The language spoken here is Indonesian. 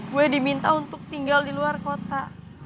gue diminta untuk tinggal di luar kota